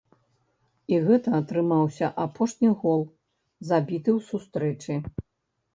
І гэта атрымаўся апошні гол, забіты ў сустрэчы.